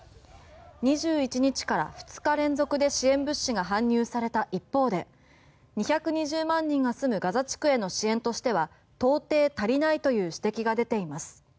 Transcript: ２１日から２日連続で支援物資が搬入された一方で２２０万人が住むガザ地区への支援としては到底足りないという指摘が出ています。